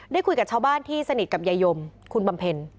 คุยกับชาวบ้านที่สนิทกับยายมคุณบำเพ็ญ